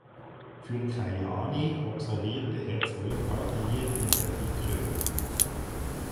Für Kajaani absolvierte er zwölf Partien in der Ykkönen.